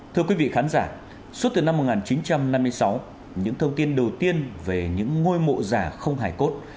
thưa quý vị khán giả suốt từ năm một nghìn chín trăm năm mươi sáu những thông tin đầu tiên về những ngôi mộ giả không hài cốt